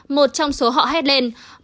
một trong số họ hét lên